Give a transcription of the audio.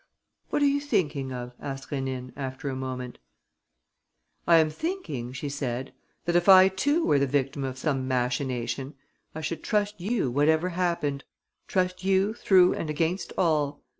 "What are you thinking of?" asked Rénine, after a moment. "I am thinking," she said, "that if I too were the victim of some machination, I should trust you whatever happened, trust you through and against all.